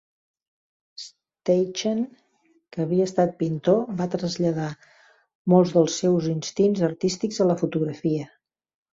Steichen, que havia estat pintor, va traslladar molts dels seus instints artístics a la fotografia.